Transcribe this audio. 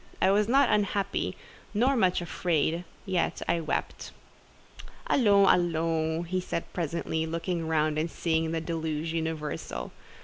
I was not unhappy, nor much afraid, yet I wept. "Allons, allons!" said he presently, looking round and seeing the deluge universal.